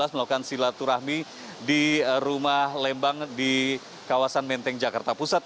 melakukan silaturahmi di rumah lembang di kawasan menteng jakarta pusat